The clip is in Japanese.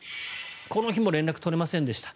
この日も連絡が取れませんでした。